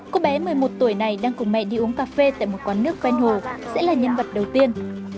cô bé một mươi một tuổi này đang cùng mẹ đi uống cà phê tại một quán nước quen hồ sẽ là nhân vật đầu tiên